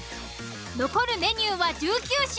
残るメニューは１９品。